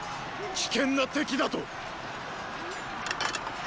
危険な敵だと！